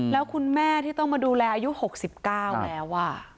แล้วคุณแม่ที่ต้องมาดูแลอายุ๖๙แล้ว